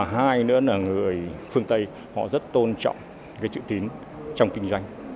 hai nữa là người phương tây rất tôn trọng chữ tín trong kinh doanh